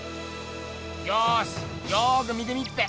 よしよく見てみっぺ！